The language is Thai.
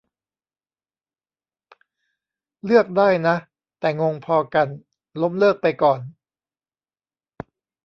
เลือกได้นะ แต่งงพอกัน ล้มเลิกไปก่อน